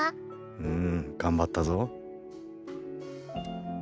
うん頑張ったぞ。